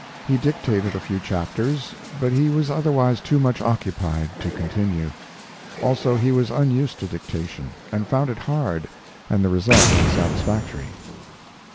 He dictated a few chapters, but he was otherwise too much occupied to continue. Also, he was unused to dictation, and found it hard and the result unsatisfactory.